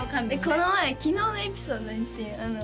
この前昨日のエピソード言ってよ